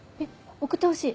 送ってほしい。